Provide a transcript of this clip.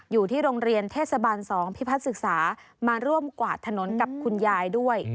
อยู่ที่โรงเรียนเทศบาล๒พิพัฒนศึกษามาร่วมกวาดถนนกับคุณยายด้วย